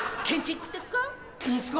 いいんすか？